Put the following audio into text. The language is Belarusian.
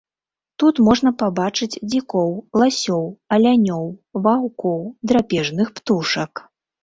Тут можна пабачыць дзікоў, ласёў, алянёў, ваўкоў, драпежных птушак.